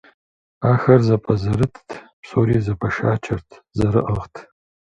Ахэр зэпӏэзэрытт, псори зэпашачэрт, зэрыӏыгът.